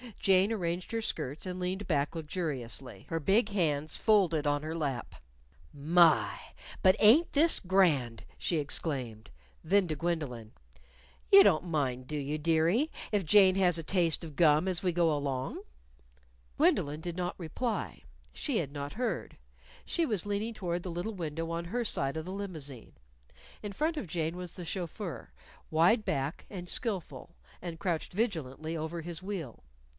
Jane arranged her skirts and leaned back luxuriously, her big hands folded on her lap. "My! but ain't this grand!" she exclaimed. Then to Gwendolyn: "You don't mind, do you, dearie, if Jane has a taste of gum as we go along?" Gwendolyn did not reply. She had not heard. She was leaning toward the little window on her side of the limousine. In front of Jane was the chauffeur, wide backed and skillful, and crouched vigilantly over his wheel.